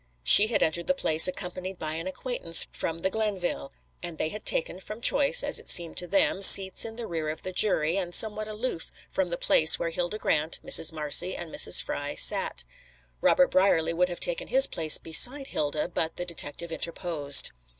She had entered the place accompanied by an acquaintance from the Glenville, and they had taken, from choice, as it seemed to them, seats in the rear of the jury, and somewhat aloof from the place where Hilda Grant, Mrs. Marcy, and Mrs. Fry sat. Robert Brierly would have taken his place beside Hilda, but the detective interposed.